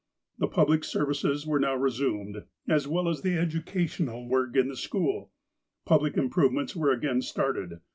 The public services were now resumed, as well as the educational work in the school. Public improvements were again started.